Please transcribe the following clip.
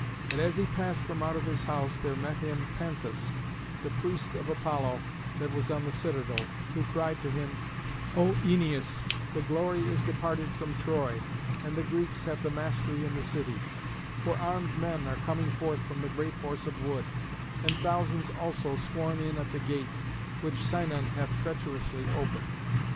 But as he passed from out of his house there met him Panthus, the priest of Apollo that was on the citadel, who cried to him, "O Æneas, the glory is departed from Troy, and the Greeks have the mastery in the city; for armed men are coming forth from the great Horse of wood, and thousands also swarm in at the gates, which Sinon hath treacherously opened."